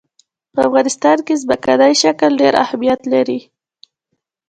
په افغانستان کې ځمکنی شکل ډېر اهمیت لري.